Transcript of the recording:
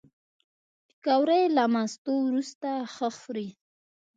پکورې له مستو وروسته ښه خوري